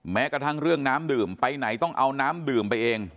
แม้กระทั่งเรื่องน้ำดื่มไปไหนต้องเอาน้ำดื่มไปเอง